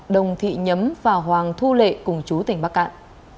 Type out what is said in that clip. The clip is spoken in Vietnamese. đồng thị nhấm và hoàng thu lệ cùng chú tỉnh bắc cạn